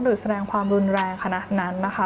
หรือแสดงความรุนแรงขนาดนั้นนะคะ